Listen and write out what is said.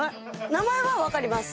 名前は分かります。